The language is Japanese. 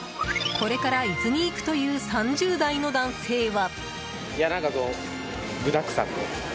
これから伊豆に行くという３０代の男性は。